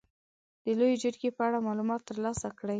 د لويې جرګې په اړه معلومات تر لاسه کړئ.